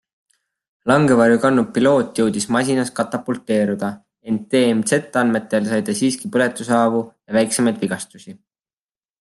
Langevarju kandnud piloot jõudis masinast katapulteeruda, ent TMZ andmetel sai ta siiski põletushaavu ja väiksemaid vigastusi.